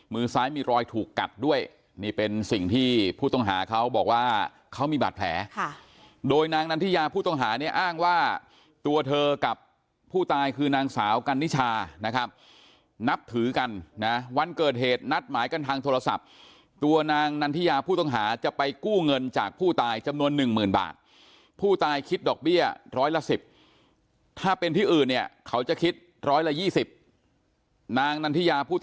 มือซ้ายมีรอยถูกกัดด้วยนี่เป็นสิ่งที่ผู้ต้องหาเขาบอกว่าเขามีบัตรแผลค่ะโดยนางนันทิยาผู้ต้องหานี่อ้างว่าตัวเธอกับผู้ตายคือนางสาวกันนิชานะครับนับถือกันนะวันเกิดเหตุนัดหมายกันทางโทรศัพท์ตัวนางนันทิยาผู้ต้องหาจะไปกู้เงินจากผู้ตายจำนวนหนึ่งหมื่นบาทผู้ตายคิดดอกเบี้ยร้อยละสิบถ้